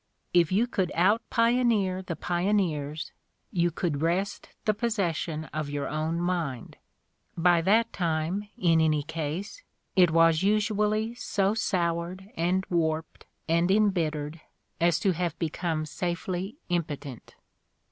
If you could out pioneer the pioneers, you could wrest the possession of your own mind: by that time, in any case, it was usually so soured and warped ahd embittered as to have become safely impotent.